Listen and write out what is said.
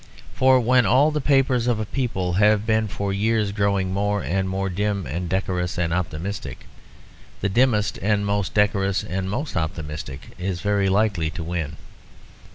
For when all the papers of a people have been for years growing more and more dim and decorous and optimistic, the dimmest and most decorous and most optimistic is very likely to win.